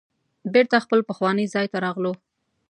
بیرته خپل پخواني ځای ته راغلو.